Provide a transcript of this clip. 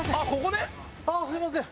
すみません。